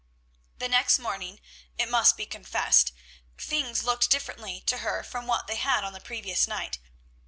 The next morning, it must be confessed, things looked differently to her from what they had on the previous night.